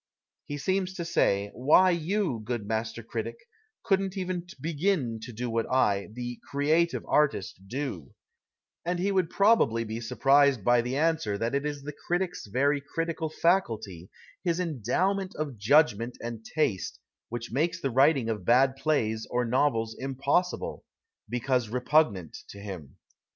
He seems to say :" Why, you, good master critic, couldn't even begin to do what I, the ' creative ' artist, do "; and he would probably be surprised by the answer that it is the critic's very critical faculty, his endowment of judgment and taste, which makes the writing of bad plays or novels impossible, because repugnant to him.